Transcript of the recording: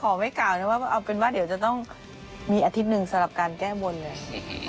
ไม่กล่าวนะว่าเอาเป็นว่าเดี๋ยวจะต้องมีอาทิตย์หนึ่งสำหรับการแก้บนเลย